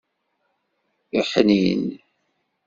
Iḥnin.